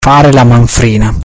Fare la manfrina.